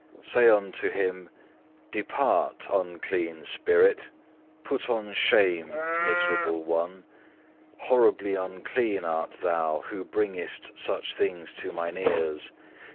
Say unto him, 'Depart unclean spirit; put on shame, miserable one; horribly unclean art thou, who bringest such things to mine ears.